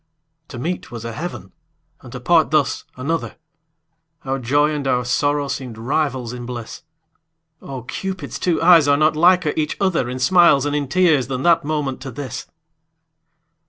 To meet was a heaven and to part thus another, Our joy and our sorrow seemed rivals in bliss; Oh! Cupid's two eyes are not liker each other In smiles and in tears than that moment to this.